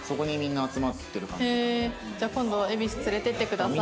じゃあ今度恵比寿連れてってください。